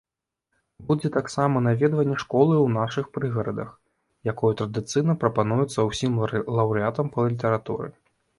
Будзе таксама наведванне школы ў нашых прыгарадах, якое традыцыйна прапануецца ўсім лаўрэатам па літаратуры.